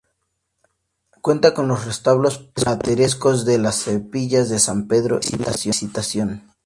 Cuenta con los retablos platerescos de las capillas de San Pedro y la Visitación.